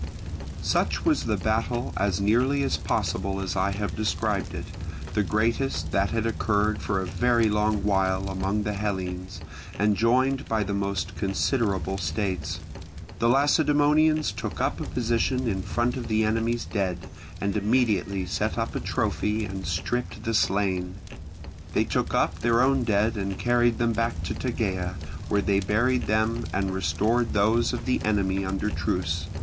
Such was the battle, as nearly as possible as I have described it; the greatest that had occurred for a very long while among the Hellenes, and joined by the most considerable states. The Lacedaemonians took up a position in front of the enemy's dead, and immediately set up a trophy and stripped the slain; they took up their own dead and carried them back to Tegea, where they buried them, and restored those of the enemy under truce.